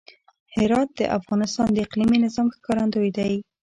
هرات د افغانستان د اقلیمي نظام ښکارندوی دی.